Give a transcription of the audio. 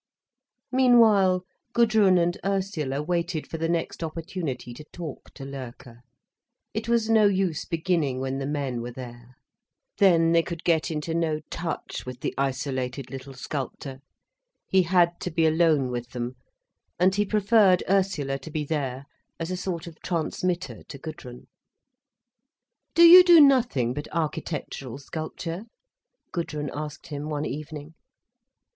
Meanwhile Gudrun and Ursula waited for the next opportunity to talk to Loerke. It was no use beginning when the men were there. Then they could get into no touch with the isolated little sculptor. He had to be alone with them. And he preferred Ursula to be there, as a sort of transmitter to Gudrun. "Do you do nothing but architectural sculpture?" Gudrun asked him one evening.